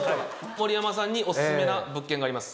盛山さんにオススメな物件があります。